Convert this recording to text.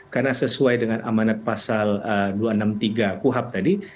karena sesuai dengan amanat pasal dua ratus enam puluh tiga kuhap tadi